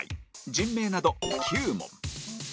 人名など９問